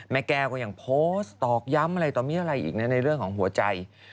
แม่แก้วก็ยังโพสต์ตอกย้ำอะไรต่อมีอะไรอีกนะในเรื่องของหัวใจ